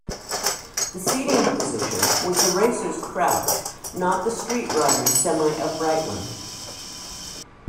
The seating position was the racer's crouch, not the street rider's semi-upright one.